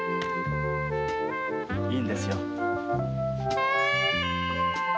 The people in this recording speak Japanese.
いいんですよ。